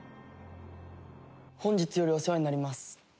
本日よりお世話になります。